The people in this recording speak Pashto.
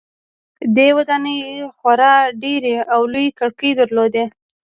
دې ودانیو خورا ډیرې او لویې کړکۍ درلودې.